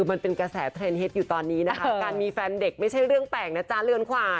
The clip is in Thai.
มันเป็นกระแสเทรนดเฮ็ดอยู่ตอนนี้นะคะการมีแฟนเด็กไม่ใช่เรื่องแปลกนะจ๊ะเรือนขวา